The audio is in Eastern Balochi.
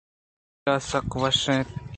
آدلءَ سک وش اَت